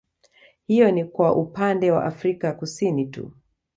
Hiyo ni kwa upande wa afrika Kusini tu